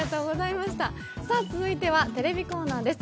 続いてはテレビコーナーです。